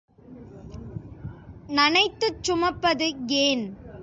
நனைத்துச் சுமப்பது ஏன்?